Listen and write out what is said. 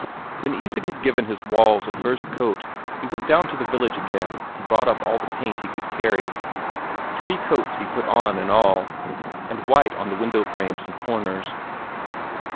When Isak had given his walls a first coat, he went down to the village again and brought up all the paint he could carry. Three coats he put on in all, and white on the window frames and corners.